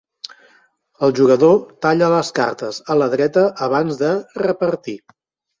El jugador talla les cartes a la dreta abans de repartir.